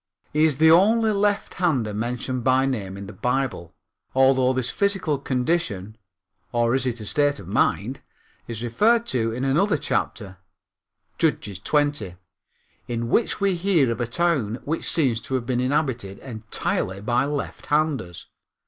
He is the only lefthander mentioned by name in the Bible, although this physical condition or is it a state of mind is referred to in another chapter (Judges 20) in which we hear of a town which seems to have been inhabited entirely by lefthanders.